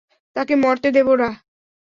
তাকে মরতে দেব না।